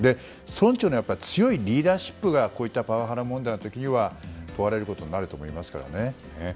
村長の強いリーダーシップがこういうパワハラ問題の時には問われると思いますからね。